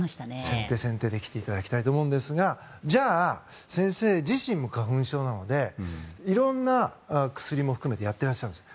先手先手で来ていただきたいと思いますがじゃあ先生自身も花粉症なのでいろんな薬も含めてやってらっしゃるんです。